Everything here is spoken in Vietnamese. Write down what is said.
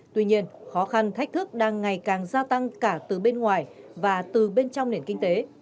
tuy nhiên khó khăn thách thức đang ngày càng gia tăng cả từ bên ngoài và từ bên trong nền kinh tế